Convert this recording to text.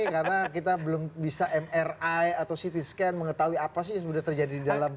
karena kita belum bisa mri atau ct scan mengetahui apa sih yang sebenarnya terjadi di dalam